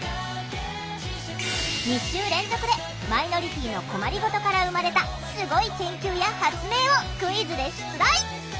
２週連続でマイノリティーの困りごとから生まれたスゴい研究や発明をクイズで出題！